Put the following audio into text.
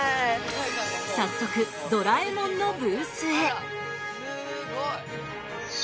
早速『ドラえもん』のブースへ。